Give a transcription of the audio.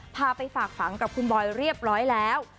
พาไปฝากฝังกับคุณบอยเรียบร้อยแล้ว